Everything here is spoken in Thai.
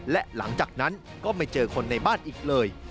และหลังจากนั้นก็ไม่เจอคนในบ้านอีกเลย